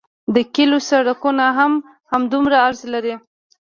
د کلیو سرکونه هم همدومره عرض لري